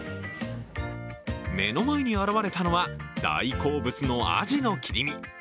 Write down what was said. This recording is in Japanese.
目の前に現れたのは、大好物のアジの切り身。